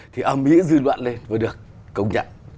thì âm mưu dư luận lên mới được công nhận